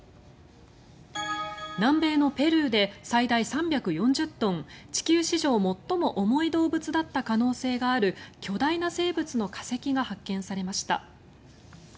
南米のペルーで最大３４０トン地球史上最も重い動物だった可能性がある巨大な生物の化石が発見されました。